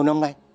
tin tưởng đấy